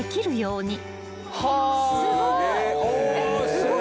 すごい。